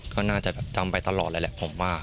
ก็น่าจะจำไปตลอดเลยแหละผมว่า